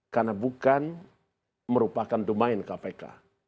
karena bukan merupakan domain kpk